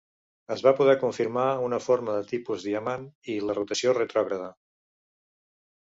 Es va poder confirmar una forma de tipus diamant i la rotació retrògrada.